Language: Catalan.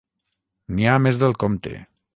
N'hi ha més del compte.